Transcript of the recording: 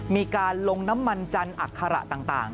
มีการลงน้ำมันจันทร์อัคระต่าง